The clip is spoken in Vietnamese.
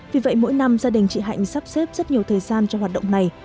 vì vậy mỗi năm gia đình chị hạnh sắp xếp rất nhiều thời gian cho hoạt động này